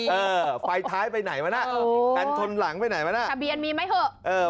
เออไฟท้ายไปไหนมาน่ะอัลกรุ่นหลังไปไหนมาน่ะบีอันมีไหมเหอะ